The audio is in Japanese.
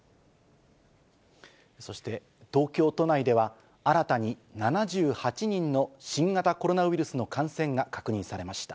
そして東京都内では、新たに７８人の新型コロナウイルスの感染が確認されました。